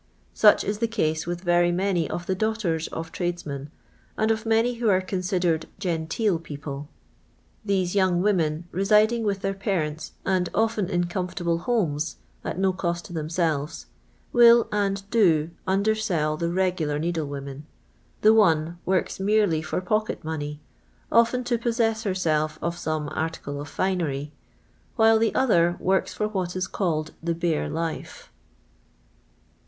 Such is the case with very many of the daughters of trades men, and of many who are considered ffrntal people. These young women, residing with their parents, and often iu comfortable homes, at no cost to themselves, will, and do, undersell the regular needlewomen ; the one works merely for pocket money (often to possess herself of some article of finery), while the other works for what is called " the bare life."